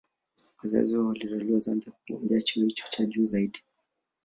Wazazi wao walizaliwa Zambia kugombea cheo hicho cha juu zaidi